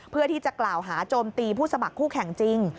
เพื่อที่จะกล่าวหาโจมตีผู้สมัครคู่แข่งจริง